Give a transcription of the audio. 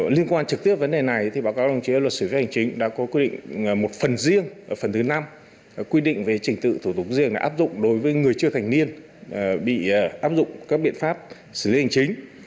liên quan trực tiếp vấn đề này thì báo cáo đồng chí luật xử lý hành chính đã có quy định một phần riêng phần thứ năm quy định về trình tự thủ tục riêng áp dụng đối với người chưa thành niên bị áp dụng các biện pháp xử lý hành chính